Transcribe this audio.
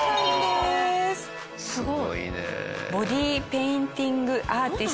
すごいね。